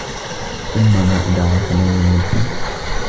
ثُمَّ ما أَدراكَ ما يَومُ الدّينِ